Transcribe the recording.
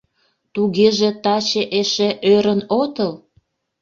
Тугеже таче эше ӧрын отыл?